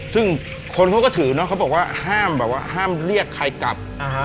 ซึ่งคนเขาก็ถือเนอะเขาบอกว่าห้ามเรียกใครกลับ